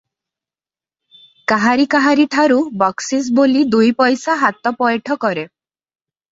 କାହାରି କାହାରିଠାରୁ ବକସିସ ବୋଲି ଦୁଇପଇସା ହାତ ପଏଠ କରେ